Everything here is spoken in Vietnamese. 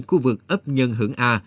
khu vực ấp nhân hưởng a